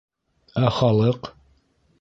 - Ә халыҡ?